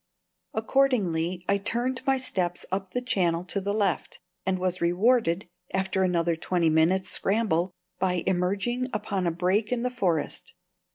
Accordingly I turned my steps up the channel to the left, and was rewarded, after another twenty minutes' scramble, by emerging upon a break in the forest.